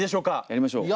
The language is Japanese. やりましょう。